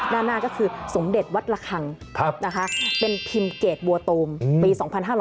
ด้านหน้าก็คือศมเด็จวัชละครังเป็นพิมเกตบัวโตมปี๒๕๓๗